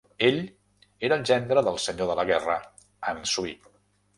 Ell era el gendre del senyor de la guerra Han Sui.